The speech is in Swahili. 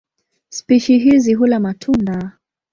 Spishi hizi hula matunda.